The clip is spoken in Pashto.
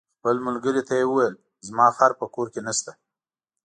خپل ملګري ته یې وویل: زما خر په کور کې نشته.